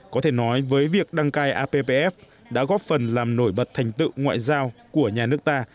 có thể nói với việc đăng cai appf đã góp phần làm nổi bật thành tựu ngoại giao của nhà nước ta